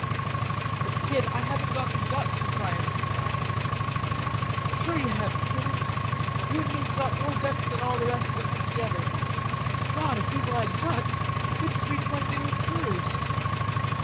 "But, Kid, I haven't got the guts to try anything now." "Sure you have, Skinny. You an' me's got more guts than all the rest of 'em put together. God, if people had guts, you couldn't treat 'em like they were curs.